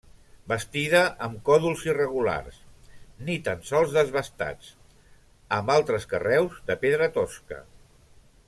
Bastida amb còdols irregulars, ni tan sols desbastats, amb altres carreus de pedra tosca.